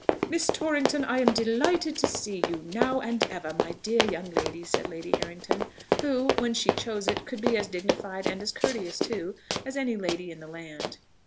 "Miss Torrington, I am delighted to see you, now and ever, my dear young lady," said Lady Harrington, who, when she chose it, could be as dignified, and as courteous too, as any lady in the land.